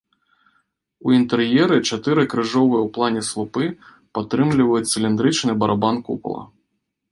У інтэр'еры чатыры крыжовыя ў плане слупы падтрымліваюць цыліндрычны барабан купала.